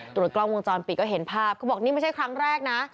กล้องวงจรปิดก็เห็นภาพเขาบอกนี่ไม่ใช่ครั้งแรกนะ